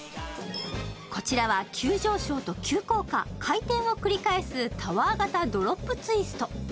こちらは急上昇と急降下回転を繰り返すタワー型ドロップツイスト